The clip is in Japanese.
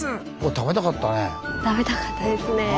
食べたかったですね。